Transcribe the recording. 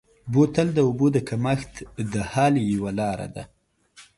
بوتل د اوبو د کمښت د حل یوه لاره ده.